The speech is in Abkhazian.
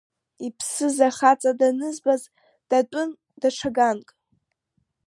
Иԥсыз ахаҵа данызбаз датәын ҽа ганк.